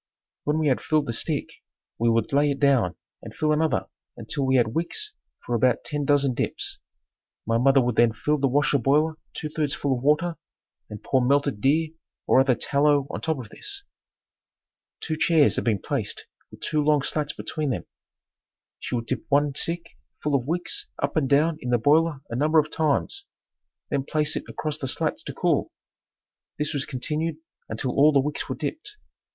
When we had filled the stick, we would lay it down and fill another until we had wicks for about ten dozen dips. My mother would then fill the wash boiler two thirds full of water and pour melted deer or other tallow on top of this. Two chairs had been placed with two long slats between them. She would dip one stick full of wicks up and down in the boiler a number of times, then place it across the slats to cool. This was continued until all the wicks were dipped.